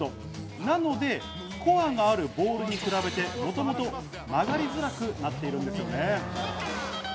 なので、コアがあるボールに比べて、もともと曲がりづらくなっているんですね。